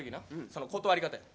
その断り方や。